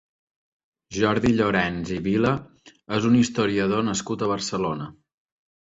Jordi Llorens i Vila és un historiador nascut a Barcelona.